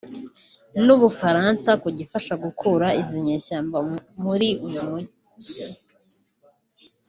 n’ubufaransa kugifasha gukura izi nyeshyamba muri uyu munjyi